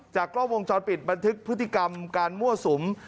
กล้องวงจรปิดบันทึกพฤติกรรมการมั่วสุม